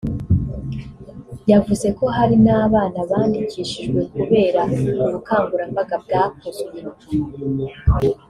yavuze ko hari n’abana bandikishijwe kubera ubukangurambaga bwakozwe